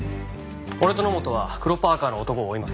俺と野本は黒パーカの男を追います。